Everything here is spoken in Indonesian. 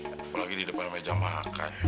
apalagi di depan meja makan